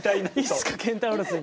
いつかケンタウロスに。